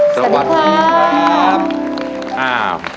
สวัสดีครับ